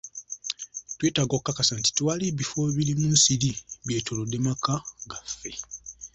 Twetaaga okukakasa nti tewali bifo birimu nsiri byetoolodde maka gaffe.